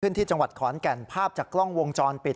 ที่จังหวัดขอนแก่นภาพจากกล้องวงจรปิด